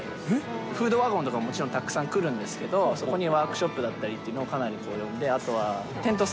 フードワゴンとかももちろんたくさん来るんですけど、そこにワークショップだったりっていうのを、かなり呼んで、えー？